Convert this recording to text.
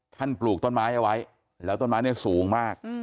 ปลูกต้นไม้เอาไว้แล้วต้นไม้เนี่ยสูงมาก